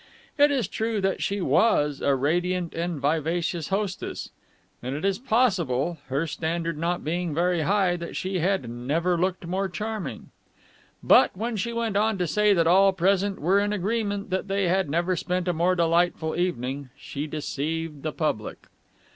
It is true that she was a "radiant and vivacious hostess," and it is possible, her standard not being very high, that she had "never looked more charming." But, when she went on to say that all present were in agreement that they had never spent a more delightful evening, she deceived the public.